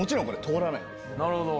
なるほど。